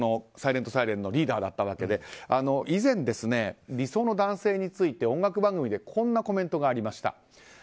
ＳＩＬＥＮＴＳＩＲＥＮのリーダーだったわけで以前、理想の男性について音楽番組でこんなコメントがありました。